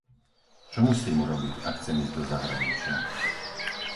Čo musím urobiť, ak chcem ísť do zahraničia?